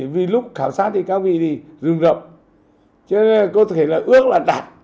vì lúc khảo sát thì các vị thì rừng rộng chứ có thể là ước là đạt